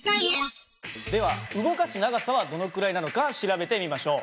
では動かす長さはどのくらいなのか調べてみましょう。